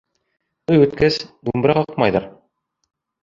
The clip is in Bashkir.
Туй үткәс, думбыра ҡаҡмайҙар.